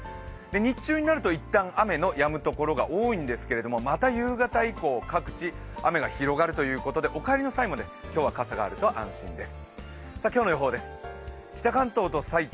日中になると一旦雨のやむところが多いんですけれども、また夕方以降、各地雨が広がるということでお帰りの際も今日は傘があると安心です。